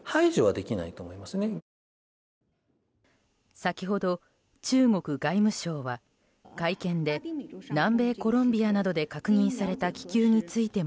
先ほど中国外務省は会見で南米コロンビアなどで確認された気球についても